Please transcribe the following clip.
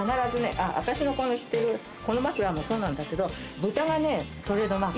私のしてるこのマフラーもそうなんだけど豚がトレードマーク。